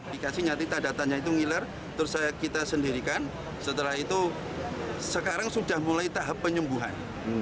dikasih nyatita datanya itu ngiler terus saya kita sendirikan setelah itu sekarang sudah mulai tahap penyembuhan